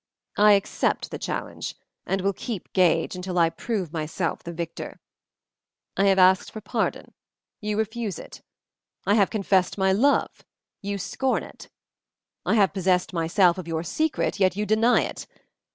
I accept the challenge, and will keep gage until I prove myself the victor. I have asked for pardon. You refuse it. I have confessed my love. You scorn it. I have possessed myself of your secret, yet you deny it.